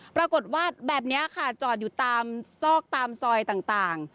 ปรากฏว่าแบบนี้ค่ะจอดอยู่ตามซอกตามซอยต่าง